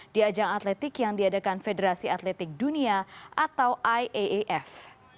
di ajang atletik yang diadakan federasi atletik dunia atau iaaf